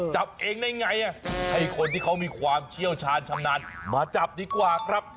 จับเองได้ไงให้คนที่เขามีความเชี่ยวชาญชำนาญมาจับดีกว่าครับ